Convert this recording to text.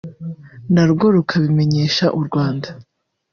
narwo rukabimenyesha u Rwanda